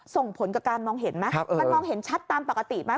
ส่งผลกับการมองเห็นไหมมันมองเห็นชัดตามปกติไหม